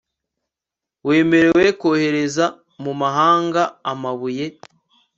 wemerewe kohereza mu mahanga amabuye